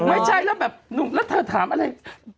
ไม่ใช่แล้วแบบหนุ่มแล้วเธอถามอะไร